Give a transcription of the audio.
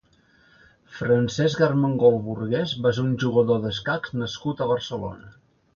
Francesc Armengol Burgués va ser un jugador d'escacs nascut a Barcelona.